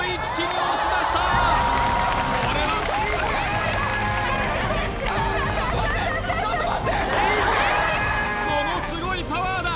ものすごいパワーだ